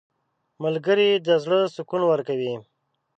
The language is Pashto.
• ملګری د زړه سکون ورکوي.